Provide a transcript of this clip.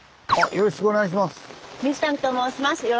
よろしくお願いします。